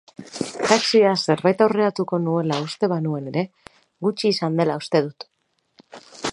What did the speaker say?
Taxiaz zerbait aurreratuko nuela uste banuen ere, gutxi izan dela uste dut.